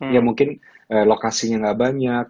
ya mungkin lokasinya nggak banyak